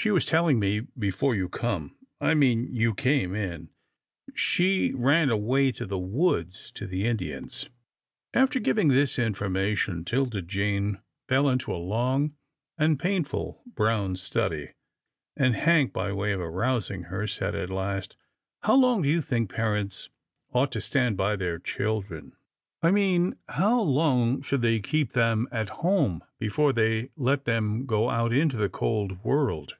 She was telling me before you come — I mean, you came — in. She ran away to the woods to the Indians." After giving this information, 'Tilda Jane fell into a long and painful brown study, and Hank, by way of arousing her, said, at last, " How long do you think parents ought to stand by their chil dren — I mean how long should they keep them at home before they let them go out into the cold world?"